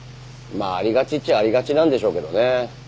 まあありがちっちゃありがちなんでしょうけどね。